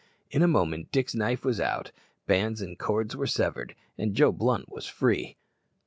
In a moment Dick's knife was out, bands and cords were severed, and Joe Blunt was free.